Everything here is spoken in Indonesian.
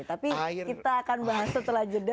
tapi kita akan bahas setelah jeda